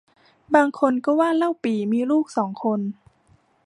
บางคนก็ว่าเล่าปี่มีลูกสองคน